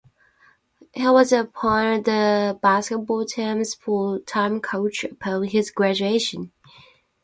He was appointed the basketball team's full-time coach upon his graduation.